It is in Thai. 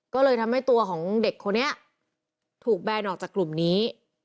ก็เลยทำให้ตัวของเด็กคนนี้ถูกแบนออกจากกลุ่มนี้